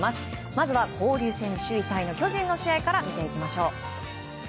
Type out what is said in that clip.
まずは交流戦首位タイの巨人の試合から見ていきましょう。